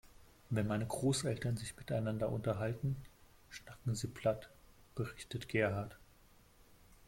Wenn meine Großeltern sich miteinander unterhalten, schnacken sie platt, berichtet Gerhard.